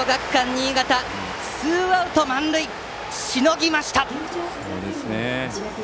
新潟、ツーアウト満塁しのぎました。